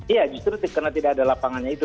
iya justru karena tidak ada lapangannya itu